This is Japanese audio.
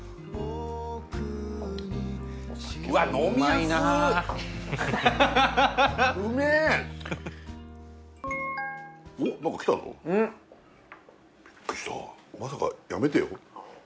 まさかやめてよ。